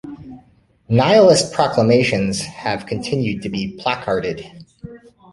Nihilist proclamations have continued to be placarded.